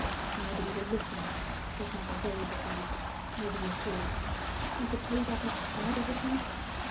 "Nobody will listen," said Mother, very bitterly, "nobody at all. Do you suppose I've not tried everything?